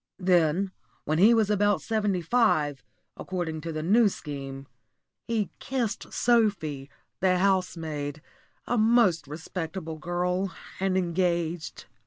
Then, when he was about seventy five, according to the New Scheme, he kissed Sophie, the housemaid a most respectable girl and engaged.